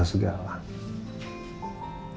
harus minta bantuan dari elsa segala